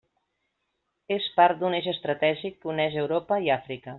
És part d'un eix estratègic que uneix Europa i Àfrica.